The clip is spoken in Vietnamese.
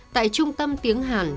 tại trung tâm tiếng hàn